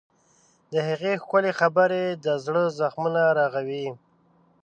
د هغې ښکلي خبرې د زړه زخمونه رغوي.